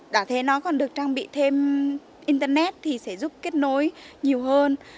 đã thế nó còn được trang bị thêm internet thì sẽ giúp kết nối nhiều hơn